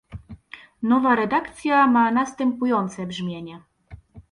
Nowa redakcja ma następujące brzmienie